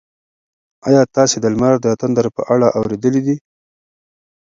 ایا تاسي د لمر د تندر په اړه اورېدلي دي؟